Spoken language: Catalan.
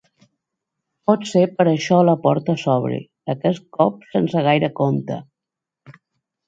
Potser per això la porta s'obre, aquest cop sense gaire compte.